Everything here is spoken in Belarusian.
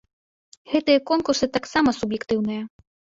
Гэтыя конкурсы таксама суб'ектыўныя.